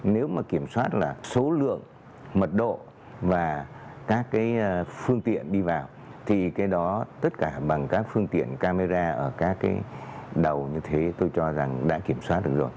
nếu mà kiểm soát là số lượng mật độ và các cái phương tiện đi vào thì cái đó tất cả bằng các phương tiện camera ở các cái đầu như thế tôi cho rằng đã kiểm soát được rồi